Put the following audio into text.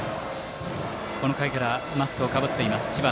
この回からマスクをかぶっている知花。